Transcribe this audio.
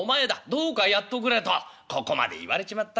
どうかやっとくれ』とここまで言われちまったらねえ。